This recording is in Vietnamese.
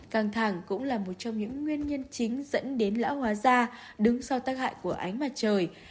căng thẳng cũng là một trong những nguyên nhân chính dẫn đến lão hóa da đứng sau tác hại của ánh mặt trời